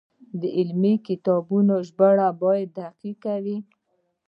د علمي کتابونو ژباړه باید دقیقه وي.